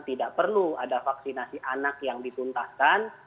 tidak perlu ada vaksinasi anak yang dituntaskan